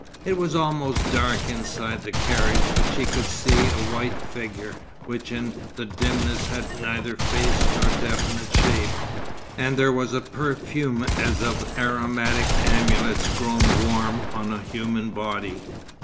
It was almost dark inside the carriage, but she could see a white figure, which in the dimness had neither face nor definite shape; and there was a perfume as of aromatic amulets grown warm on a human body.